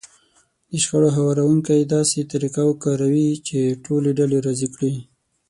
د شخړو هواروونکی داسې طريقه کاروي چې ټولې ډلې راضي کړي.